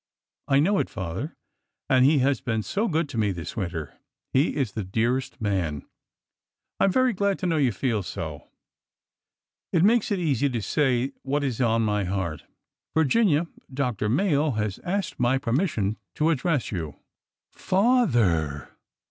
I know it, father. And he has been so good to me this winter. He is the dearest man !" I am very glad to know you feel so. It makes it easy to say what is on my heart. Virginia, Dr. Mayo has asked my permission to address you." Father!"